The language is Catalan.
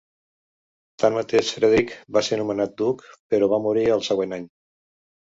Tanmateix, Frederick va ser nombrat duc, però va morir el següent any.